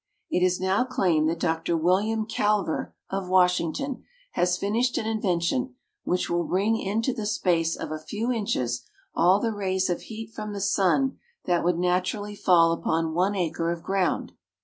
It is now claimed that Dr. William Calver of Washington has finished an invention which will bring into the space of a few inches all the rays of heat from the sun that would naturally fall upon one acre of ground.